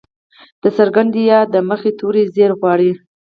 د څرګندي ي د مخه توری زير غواړي.